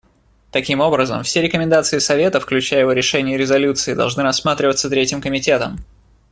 Таким образом, все рекомендации Совета, включая его решения и резолюции, должны рассматриваться Третьим комитетом.